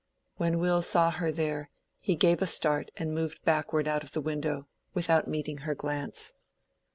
When Will saw her there, he gave a start and moved backward out of the window, without meeting her glance.